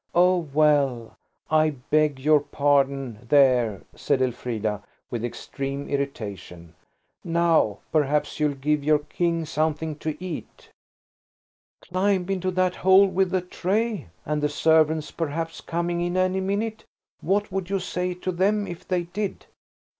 "Oh, well, I beg your pardon–there!" said Elfrida, with extreme irritation. "Now perhaps you'll give your King something to eat." "Climb into that hole–with a tray? And the servants, perhaps, coming in any minute? What would you say to them if they did?"